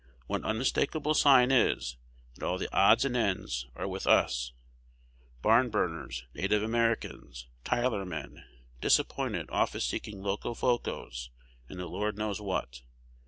One unmistakable sign is, that all the odds and ends are with us, Barnburners, Native Americans, Tyler men, disappointed, office seeking Locofocos, and the Lord knows what.